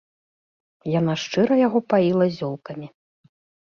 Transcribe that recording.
Яна шчыра яго паіла зёлкамі.